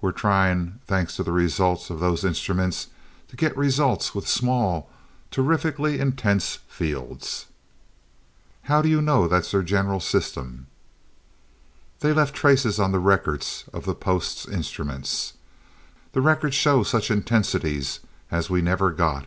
We're trying, thanks to the results of those instruments, to get results with small, terrifically intense fields." "How do you know that's their general system?" "They left traces on the records of the post instruments. These records show such intensities as we never got.